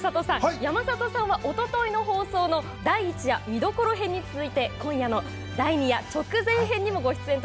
山里さんは、おとといの生放送「第１夜見どころ編」に続き今夜の「第２夜直前編」にもご出演。